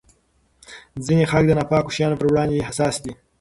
ځینې خلک د ناپاکو شیانو پر وړاندې حساس دي.